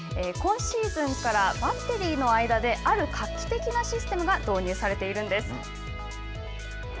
今シーズンからバッテリーの間である画期的なシステムが導入されているんです。